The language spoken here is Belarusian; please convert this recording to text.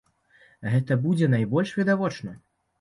Гэта будзе найбольш відавочна.